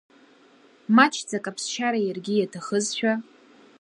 Мачӡак аԥсшьара иаргьы иаҭахызшәа…